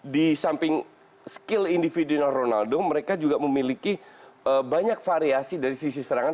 di samping skill individual ronaldo mereka juga memiliki banyak variasi dari sisi serangan